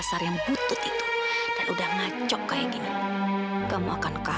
sampai jumpa di video selanjutnya